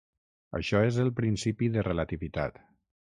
Això és el principi de relativitat.